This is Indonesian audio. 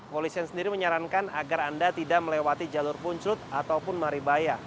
polisian sendiri menyarankan agar anda tidak melewati jalur puncut ataupun maribaya